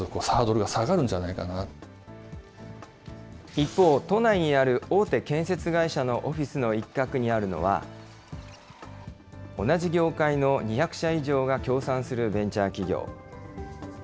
一方、都内にある大手建設会社のオフィスの一角にあるのは、同じ業界の２００社以上が協賛するベンチャー企業。